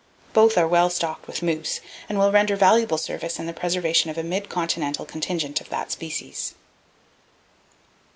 Both are well stocked with moose, and will render valuable service in the preservation of a mid continental contingent of that species.